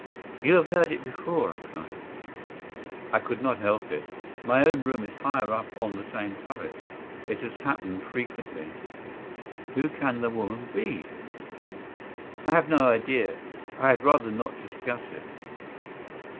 "You have heard it before," I cried. "I could not help it. My own room is higher up on the same turret. It has happened frequently." "Who can the woman be?" "I have no idea. I had rather not discuss it."